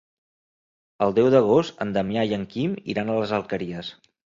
El deu d'agost en Damià i en Quim iran a les Alqueries.